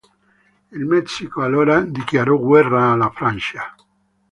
Il Messico, allora, dichiarò guerra alla Francia.